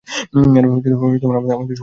এরা আমাদের সবার সাথে মজা করছে!